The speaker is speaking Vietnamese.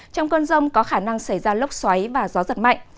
trong cơn rông có khả năng xảy ra lốc xoáy và gió giật mạnh